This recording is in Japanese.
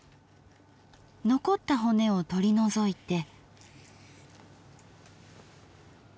残った骨を取り除いて。